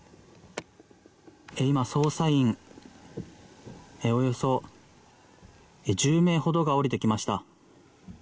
今、捜査員およそ１０名ほどが降りてきました。